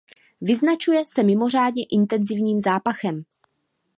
Vyznačuje se mimořádně intenzivním zápachem.